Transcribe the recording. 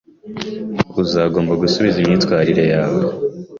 Uzagomba gusubiza imyitwarire yawe.